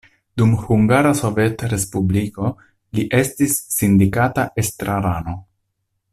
Dum Hungara Sovetrespubliko li estis sindikata estrarano.